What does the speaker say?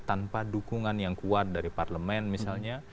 tanpa dukungan yang kuat dari parlemen misalnya